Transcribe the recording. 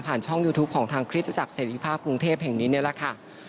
ช่องยูทูปของทางคริสตจักรเสรีภาพกรุงเทพแห่งนี้นี่แหละค่ะ